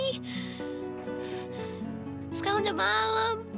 terus sekarang udah malam